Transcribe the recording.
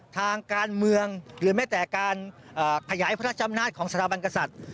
ทางการเมืองหรือแม้แต่การขยายพระราชอำนาจของสถาบันกษัตริย์